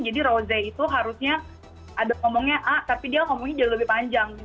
jadi rose itu harusnya ada ngomongnya ah tapi dia ngomongnya jadi lebih panjang